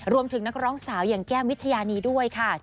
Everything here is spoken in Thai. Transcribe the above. รวมถึงนักร้องสาวอย่างแก้มวิทยานีด้วยค่ะ